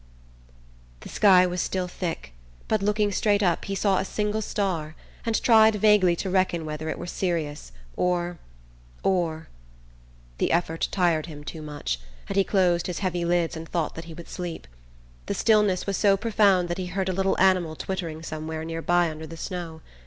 The sky was still thick, but looking straight up he saw a single star, and tried vaguely to reckon whether it were Sirius, or or The effort tired him too much, and he closed his heavy lids and thought that he would sleep... The stillness was so profound that he heard a little animal twittering somewhere near by under the snow.